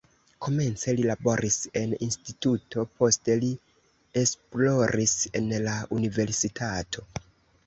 Komence li laboris en instituto, poste li esploris en la universitato.